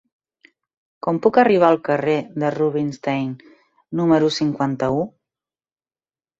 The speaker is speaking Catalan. Com puc arribar al carrer de Rubinstein número cinquanta-u?